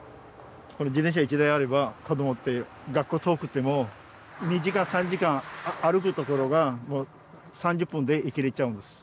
自転車１台あれば子供って学校遠くても２時間３時間歩くところが３０分で行けれちゃうんです。